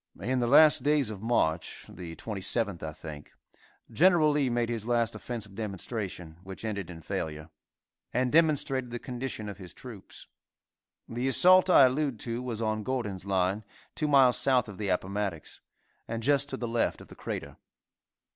In the last days of March, the 27th, I think, Gen. Lee made his last offensive demonstration, which ended in failure, and demonstrated the condition of his troops. The assault I allude to was on Gordon's line, two miles south of the Appomattox, and just to the left of the Crater.